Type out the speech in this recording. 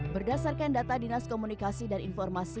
berdasarkan data dinas komunikasi dan informasi